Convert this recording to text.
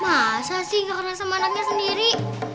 masa sih gak keras sama anaknya sendiri